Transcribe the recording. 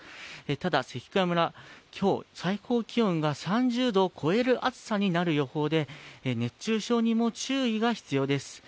ただ関川村、今日、最高気温が３０度を超える暑さになる予報で熱中症にも注意が必要です。